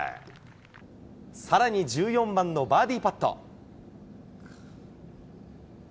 さらに１４番のバーディーパット。